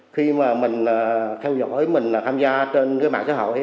khi mà mình theo dõi mình là tham gia trên mạng xã hội